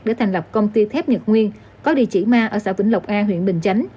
để thành lập công ty thép nhật nguyên có địa chỉ ma ở xã vĩnh lộc a huyện bình chánh